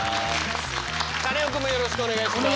カネオくんもよろしくお願いします。